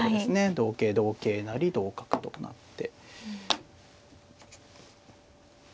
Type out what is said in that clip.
同桂同桂成同角となって。